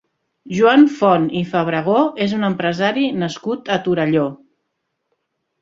Joan Font i Fabregó és un empresari nascut a Torelló.